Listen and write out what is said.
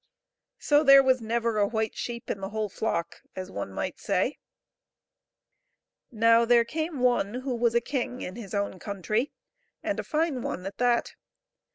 So there was never a white sheep in the whole flock, as one might say. Now there was one came who was a king in his own country, and a fine one at that.